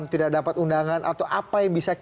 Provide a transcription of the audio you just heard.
tidak dapat undangan atau apa yang bisa